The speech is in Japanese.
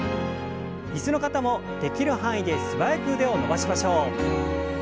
椅子の方もできる範囲で素早く腕を伸ばしましょう。